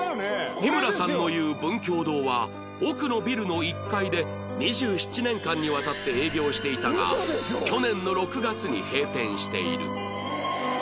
日村さんの言う文教堂は奥のビルの１階で２７年間にわたって営業していたが去年の６月に閉店している